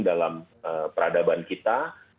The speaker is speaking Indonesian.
dalam peradaban kita